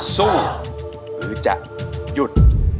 สู้หรือจะหยุด